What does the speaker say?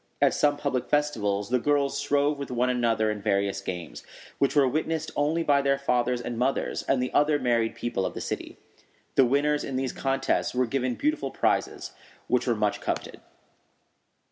At some public festivals the girls strove with one another in various games, which were witnessed only by their fathers and mothers and the other married people of the city. The winners in these contests were given beautiful prizes, which were much coveted.